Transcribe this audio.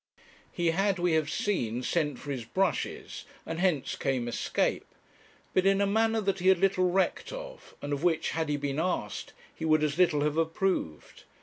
He had, we have seen, sent for his brushes, and hence came escape; but in a manner that he had little recked of, and of which, had he been asked, he would as little have approved.